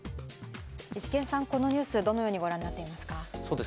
イシケンさん、このニュース、どうご覧になっていますか？